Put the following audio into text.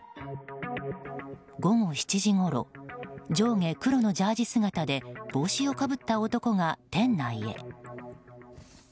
午後７時ごろ上下黒のジャージ姿で帽子をかぶった男が、店内へ。